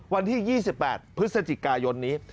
วันที่๒๘พฤศจิกายนนี้